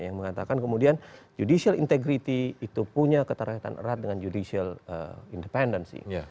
yang mengatakan kemudian judicial integrity itu punya keterkaitan erat dengan judicial independensi